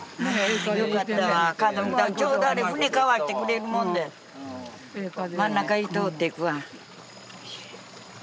ちょうどあれ船変わってくれるもんで真ん中に通っていくわ。